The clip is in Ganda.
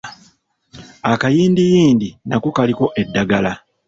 Akayindiyindi nako kaliko eddagala.